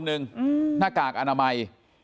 หนึ่งหน้ากากอนามัย